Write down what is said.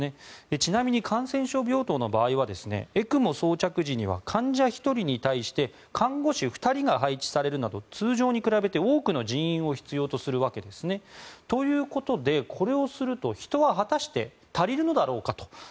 ちなみに感染症病棟の場合はＥＣＭＯ装着時は患者１人に対して看護師２人が配置されるなど通常に比べて多くの人員を必要とするわけですね。ということで、これをすると人は果たして足りるのだろうかと。